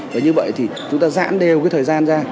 và như vậy thì chúng ta giãn đều cái thời gian ra